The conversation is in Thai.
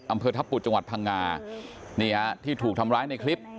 อำเภอทัพบุจังหวัดพังงานี่ฮะที่ถูกทำร้ายในคลิป